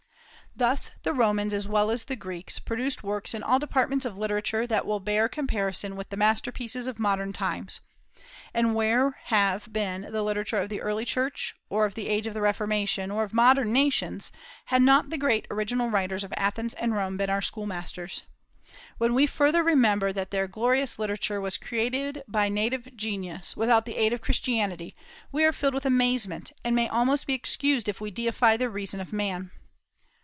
Thus the Romans, as well as Greeks, produced works in all departments of literature that will bear comparison with the masterpieces of modern times. And where would have been the literature of the early Church, or of the age of the Reformation, or of modern nations, had not the great original writers of Athens and Rome been our school masters? When we further remember that their glorious literature was created by native genius, without the aid of Christianity, we are filled with amazement, and may almost be excused if we deify the reason of man.